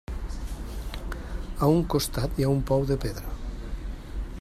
A un costat hi ha un pou de pedra.